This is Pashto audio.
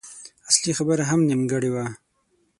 اصلي خبره هم نيمګړې وه.